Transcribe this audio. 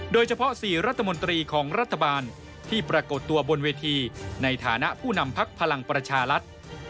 โดยเฉพาะ๔รัฐมนตรีของรัฐบาลที่ปรากฏตัวบนเวทีในฐานะผู้นำพักพลังประชารัฐ